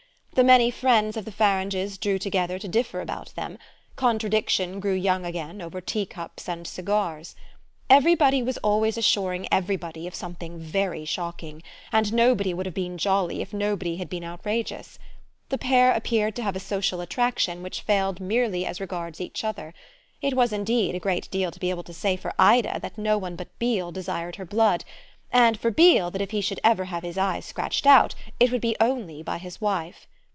The many friends of the Faranges drew together to differ about them; contradiction grew young again over teacups and cigars. Everybody was always assuring everybody of something very shocking, and nobody would have been jolly if nobody had been outrageous. The pair appeared to have a social attraction which failed merely as regards each other: it was indeed a great deal to be able to say for Ida that no one but Beale desired her blood, and for Beale that if he should ever have his eyes scratched out it would be only by his wife.